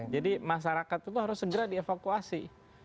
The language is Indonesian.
jadi masyarakat itu harus segera dievakuasi